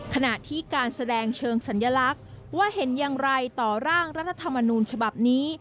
ขณะที่การแสดงเชิงสัญลักษณ์ว่าเห็นอย่างไรต่อร่างรัฐธรรมนูญฉบับนี้